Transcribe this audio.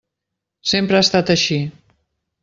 Sempre ha estat així.